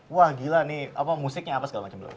wah gila nih musiknya apa segala macem